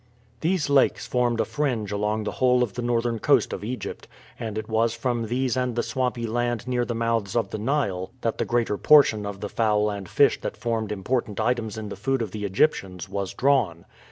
These lakes formed a fringe along the whole of the northern coast of Egypt, and it was from these and the swampy land near the mouths of the Nile that the greater portion of the fowl and fish that formed important items in the food of the Egyptians was drawn.